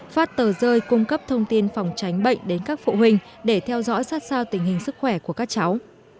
phát tờ rơi cung cấp thông tin phòng tránh bệnh đến các phụ huynh để theo dõi sát sao tình hình sức khỏe của các cháu